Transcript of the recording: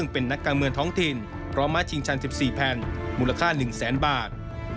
๔แผ่นมูลค่า๑แสนบาท